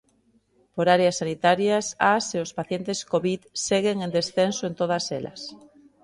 Por áreas sanitarias, as e os pacientes Covid seguen en descenso en todas elas.